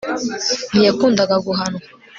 ntiyakundaga guhanwa